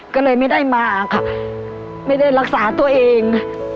ก็เลยไม่ได้มาค่ะไม่ได้รักษาตัวเอง